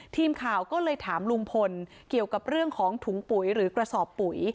ทีมข่าวก็เลยถามลุงพลเกี่ยวกับเรื่องของถุงปุ๋ยหรือกระสอบปุ๋ย